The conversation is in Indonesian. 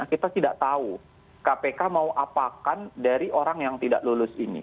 kita tidak tahu kpk mau apakan dari orang yang tidak lulus ini